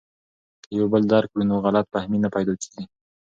که یو بل درک کړو نو غلط فهمي نه پیدا کیږي.